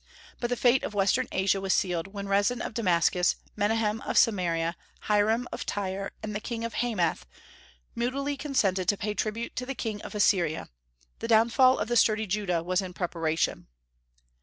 But the fate of western Asia was sealed when Rezin of Damascus, Menahem of Samaria, Hiram of Tyre, and the king of Hamath moodily consented to pay tribute to the king of Assyria; the downfall of the sturdy Judah was in preparation.